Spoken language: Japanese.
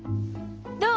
どう？